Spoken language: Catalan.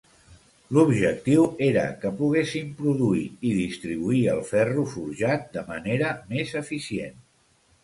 L'objectiu era que poguessin produir i distribuir el ferro forjat de manera més eficient.